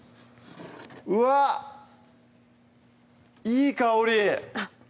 うわっいい香り！